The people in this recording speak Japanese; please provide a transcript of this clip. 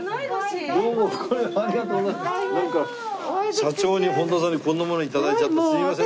社長にホンダさんにこんなもの頂いちゃってすみません。